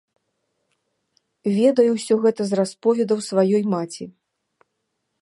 Ведаю ўсё гэта з расповедаў сваёй маці.